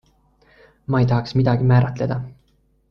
Ma ei tahaks midagi määratleda.